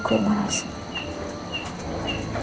kamu selalu buat aku terus hidup